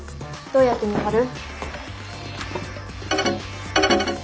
どうやって見張る？